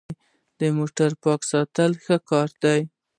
موټر پاک ساتل ښه کار دی.